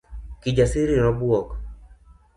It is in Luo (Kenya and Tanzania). Kijasiri nobuok.